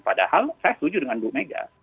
padahal saya setuju dengan bu mega